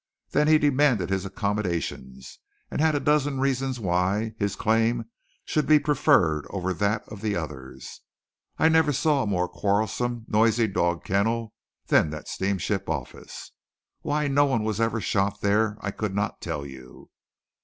Then he demanded his accommodations; and had a dozen reasons why his claim should be preferred over that of the others. I never saw a more quarrelsome noisy dog kennel than that steamship office. Why no one was ever shot there I could not tell you.